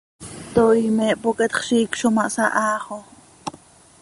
Toii me hpoqueetx, ziic zo ma hsahaa xo.